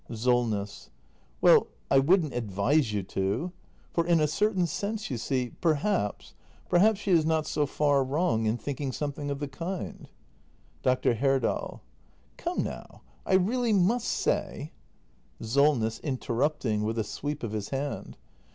SOLNESS. Well, I wouldn't advise you to. For, in a certain sense, you see, perhaps— perhaps she is not so far wrong in thinking something of the kind. Dr. Herdal. Come now, I really must say SOLNESS. [Interrupting, with a sweep of his hand.